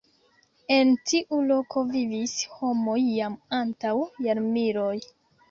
En tiu loko vivis homoj jam antaŭ jarmiloj.